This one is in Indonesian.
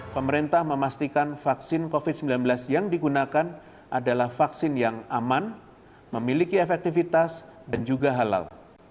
pemerintah memastikan vaksin covid sembilan belas yang digunakan adalah vaksin yang aman memiliki efektivitas dan juga halal